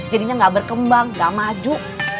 jadinya nggak berkembang nggak maju